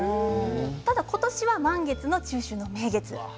ただ今年は満月の中秋の名月です。